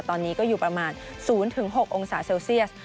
ตอนนี้ก็อยู่ประมาณ๐๖องศาเซลเซียส